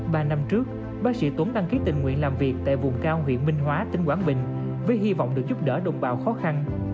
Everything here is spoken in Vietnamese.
ba năm trước bác sĩ tuấn đăng ký tình nguyện làm việc tại vùng cao huyện minh hóa tỉnh quảng bình với hy vọng được giúp đỡ đồng bào khó khăn